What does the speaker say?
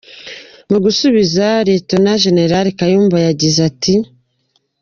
Mu gusubiza Lt Gen Kayumba yagize ati: